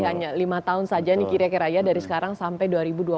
hanya lima tahun saja nih kira kira ya dari sekarang sampai dua ribu dua puluh empat